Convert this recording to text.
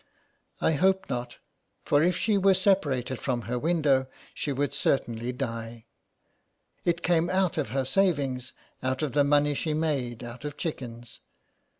*' I hope not, for if she were separated from her window she would certainly die. It came out of her savings, out of the money she made out of chickens."